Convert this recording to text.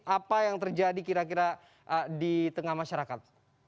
apa yang terjadi kira kira di tengah masyarakat